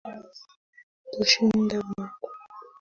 Kushinda makombe ya ligi kuu ya mabingwa Ulaya na Kombe la Dunia